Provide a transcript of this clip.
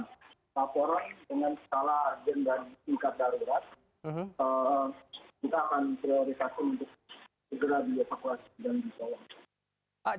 kita akan prioritas untuk segera di evakuasi dan diselamatkan